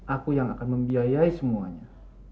aku yang akan membiayai semuanya